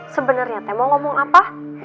sebenernya temen ngomong apa